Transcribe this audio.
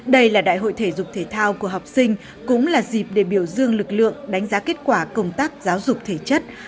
đây là đại hội thể dục thể thao của học sinh cũng là dịp để biểu dương lực lượng đánh giá kết quả công tác giáo dục thể chất